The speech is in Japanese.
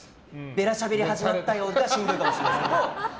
ベラしゃべり始まったよってしんどいかもしれない。